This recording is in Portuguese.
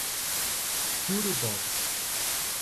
Júlio Borges